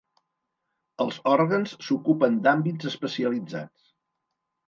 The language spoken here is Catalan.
Els òrgans s'ocupen d'àmbits especialitzats.